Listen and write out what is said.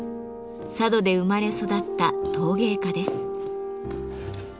佐渡で生まれ育った陶芸家です。